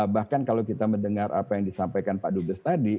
bahkan kalau kita mendengar apa yang disampaikan pak dubes tadi